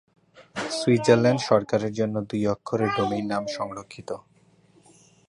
Switzerland সরকারের জন্য দুই অক্ষরের ডোমেইন নাম সংরক্ষিত।